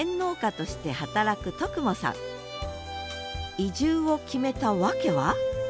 移住を決めた訳は？